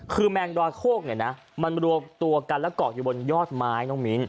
คือแมงดอยโคกเนี่ยนะมันรวมตัวกันและเกาะอยู่บนยอดไม้น้องมิ้น